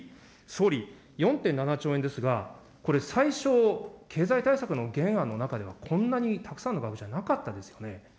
総理、４．７兆円ですが、これ、最初、経済対策の原案の中ではこんなにたくさんの額じゃなかったですよね。